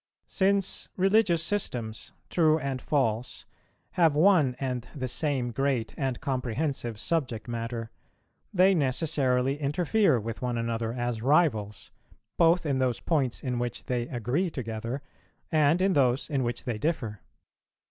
Since religious systems, true and false, have one and the same great and comprehensive subject matter, they necessarily interfere with one another as rivals, both in those points in which they agree together, and in those in which they differ.